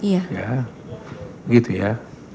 ya begitu ya